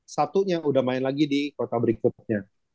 satunya udah main lagi di kota berikutnya